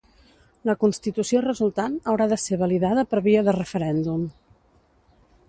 La constitució resultant haurà de ser validada per via de referèndum.